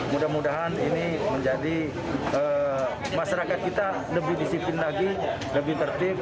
mudah mudahan ini menjadi masyarakat kita lebih disiplin lagi lebih tertib